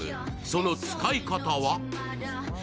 その使い方は？